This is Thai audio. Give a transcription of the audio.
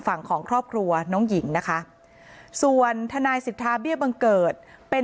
ฝั่งของครอบครัวน้องหญิงนะคะส่วนทนายสิทธาเบี้ยบังเกิดเป็น